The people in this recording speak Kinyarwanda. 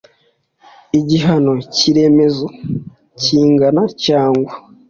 igihano cy iremezo kingana cyangwa